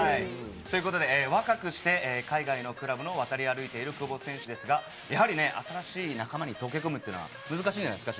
若くして海外のクラブを渡り歩いてる久保選手ですが、やはり新しい仲間に溶け込むって難しいじゃないですか。